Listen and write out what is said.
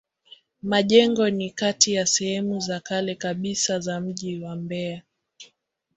Majengo ni kati ya sehemu za kale kabisa za mji wa Mbeya.